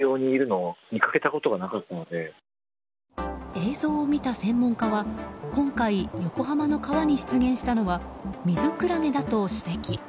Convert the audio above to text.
映像を見た専門家は今回、横浜の川に出現したのはミズクラゲだと指摘。